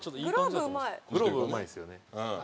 グローブうまいですよね。